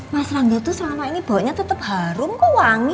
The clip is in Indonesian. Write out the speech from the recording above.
mas randa tuh selama ini bau nya tetep harum kok wangi